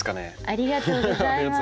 ありがとうございます。